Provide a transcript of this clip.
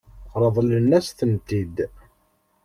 Ṛeḍlen-as-tent-id?